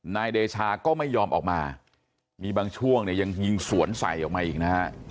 นายเดชาก็ไม่ยอมออกมามีบางช่วงเนี่ยยังยิงสวนใส่ออกมาอีกนะฮะ